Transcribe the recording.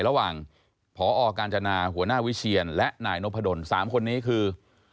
ระหว่างพอกาญจนาหัวหน้าวิเชียนและนายนพดล๓คนนี้คือ